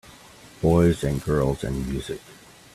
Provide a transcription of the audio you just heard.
Boys and girls and music.